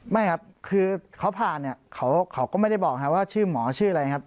ไม่ครับคือเขาผ่านเนี่ยเขาก็ไม่ได้บอกครับว่าชื่อหมอชื่ออะไรครับ